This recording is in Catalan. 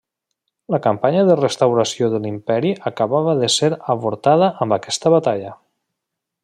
La campanya de restauració de l'Imperi acabava de ser avortada amb aquesta batalla.